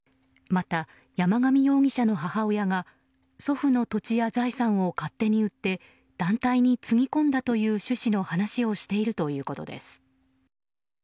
また山上容疑者の母親が祖父の土地や財産を勝手に売って団体につぎ込んだという趣旨の話をしているということです。